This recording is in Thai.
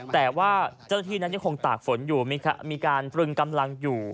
แต่ว่าเจ้าหน้าที่นั้นยังคงตากฝนอยู่มีการตรึงกำลังอยู่